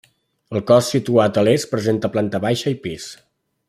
El cos situat a l'est presenta planta baixa i pis.